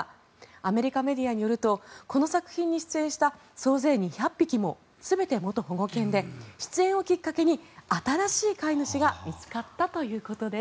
アメリカメディアによるとこの作品に出演した総勢２００匹も全て元保護犬で出演をきっかけに新しい飼い主が見つかったということです。